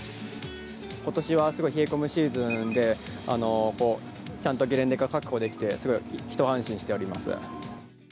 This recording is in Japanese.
ことしはすごい冷え込むシーズンで、ちゃんとゲレンデを確保できて、すごい一安心しております。